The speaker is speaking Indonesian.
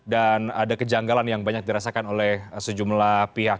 dan ada kejanggalan yang banyak dirasakan oleh sejumlah pihak